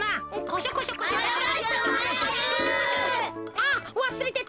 あっわすれてた。